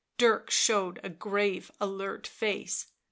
Dirk showed a grave, alert face.